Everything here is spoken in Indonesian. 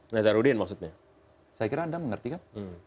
nazarudin maksudnya saya kira anda mengerti kan